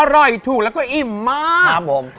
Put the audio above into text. อร่อยถูกแล้วก็อิ่มมาก